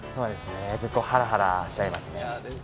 ずっとハラハラしちゃいますね。